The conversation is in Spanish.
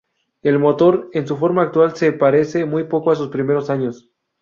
El motor en su forma actual se parece muy poco a sus primeros años.